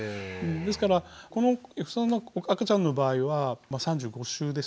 ですからこの赤ちゃんの場合は３５週でしたっけね？